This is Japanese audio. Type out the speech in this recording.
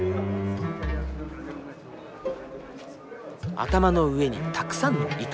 頭の上にたくさんの糸。